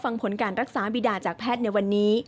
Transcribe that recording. ฟังผลการรักษาบีดาจากแพทย์ในวันนี้